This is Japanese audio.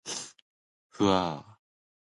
ふぁあ